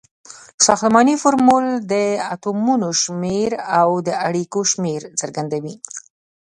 ساختمانی فورمول د اتومونو شمیر او د اړیکو شمیر څرګندوي.